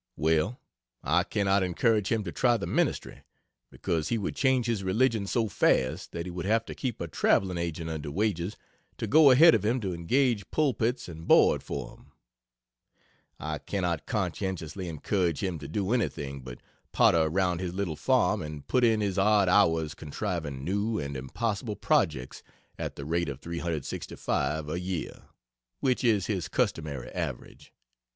Well, I cannot encourage him to try the ministry, because he would change his religion so fast that he would have to keep a traveling agent under wages to go ahead of him to engage pulpits and board for him. I cannot conscientiously encourage him to do anything but potter around his little farm and put in his odd hours contriving new and impossible projects at the rate of 365 a year which is his customary average.